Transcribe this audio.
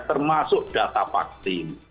termasuk data paktim